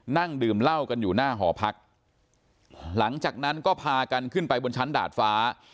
นั่งดื่มเหล้ากันอยู่หน้าหอพักหลังจากนั้นก็พากันขึ้นไปบนชั้นดาดฟ้า